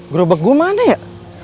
gerobak gua mana ya